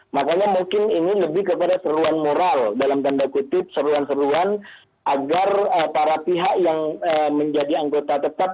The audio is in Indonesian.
makanya mungkin ini lebih kepada seruan moral dalam tanda kutip seruan seruan agar para pihak yang menjadi anggota tetap